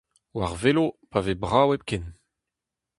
War velo, pa vez brav hepken !